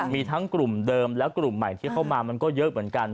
มีทั้งกลุ่มเดิมและกลุ่มใหม่ที่เข้ามามันก็เยอะเหมือนกัน